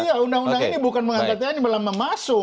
iya undang undang ini bukan mengangkat tni malah memasung